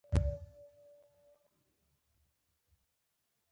د اعشاري عدد د لوستلو لپاره د ورنيې برخو ته وګورئ.